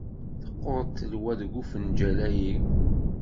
Teqqur ttelwa deg ufenǧal-ayi.